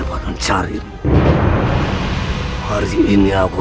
jangan sampai dia tercampur